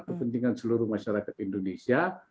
kepentingan seluruh masyarakat indonesia